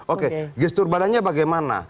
oke gestur badannya bagaimana